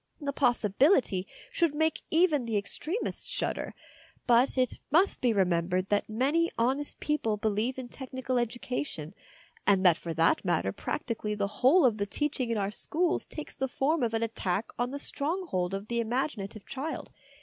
The possibility should make even the extremists shudder, but it must be remembered that many honest people believe in technical education, and that for that matter practically the whole of the teaching in our schools takes the form of an attack on the stronghold of the imagina tive child.